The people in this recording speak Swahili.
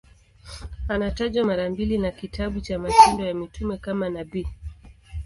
Anatajwa mara mbili na kitabu cha Matendo ya Mitume kama nabii.